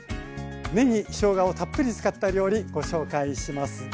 ねぎ・しょうがをたっぷり使った料理ご紹介します。